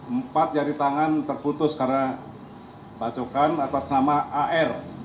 empat jari tangan terputus karena bacokan atas nama ar